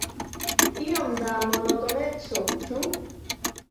Iom da monotoneco, ĉu?